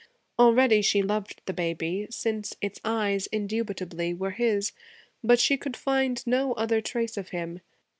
Already she loved the baby since its eyes, indubitably, were his; but she could find no other trace of him.